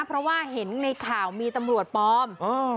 เพราะว่าเห็นในข่าวมีตำรวจปลอม